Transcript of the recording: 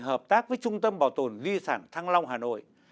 hợp tác với trung tâm bảo tồn di sản thăng long hà nội